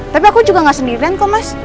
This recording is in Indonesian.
tapi aku juga gak sendirian kok mas